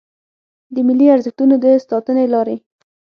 د ملي ارزښتونو د ساتنې لارې